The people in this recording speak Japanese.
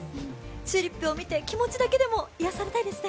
チューリップを見て気持ちだけでも癒やされたいですね。